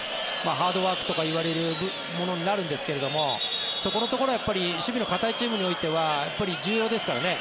ハードワークとか言われるものになるんですけどそこのところが守備の堅いチームにおいては重要ですからね。